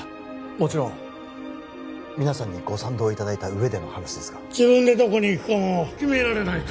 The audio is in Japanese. もちろん皆さんにご賛同いただいた上での話ですが自分でどこに行くかも決められないと？